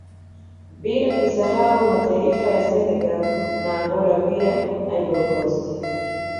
Bila kusahau mataifa ya Senegali na Angola pia Ivorycost